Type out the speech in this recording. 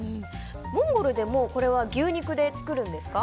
モンゴルでは牛肉で作るんですか？